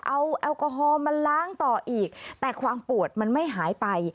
เอาแอลกอฮอล์มาล้างต่ออีกแต่ความปวดมันไม่หายไป